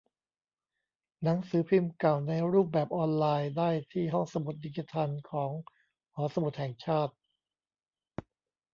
หนังสือพิมพ์เก่าในรูปแบบออนไลน์ ได้ที่ ห้องสมุดดิจิทัลของ หอสมุดแห่งชาติ